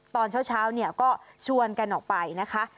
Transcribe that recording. ตอนเช้าก็ชวนกันออกไปนะคะ